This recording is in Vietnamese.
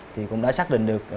thì cũng đã xác định được